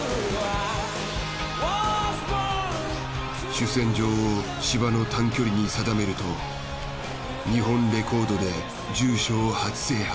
主戦場を芝の短距離に定めると日本レコードで重賞を初制覇。